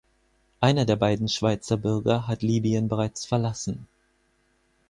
Einer der beiden Schweizer Bürger hat Libyen bereits verlassen.